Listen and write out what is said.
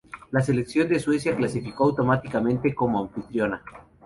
La selección de Suecia clasificó automáticamente como anfitriona.